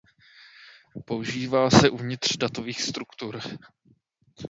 Používá se uvnitř datových struktur.